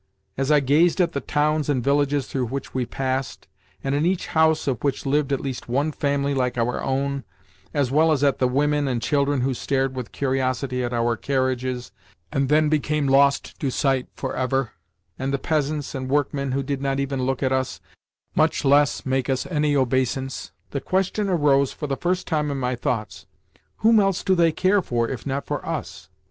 As I gazed at the towns and villages through which we passed, and in each house of which lived at least one family like our own, as well as at the women and children who stared with curiosity at our carriages and then became lost to sight for ever, and the peasants and workmen who did not even look at us, much less make us any obeisance, the question arose for the first time in my thoughts, "Whom else do they care for if not for us?"